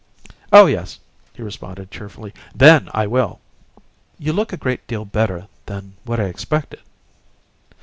"Oh yes!" he responded, cheerfully. "THEN I will." "You look a great deal better than what I expected."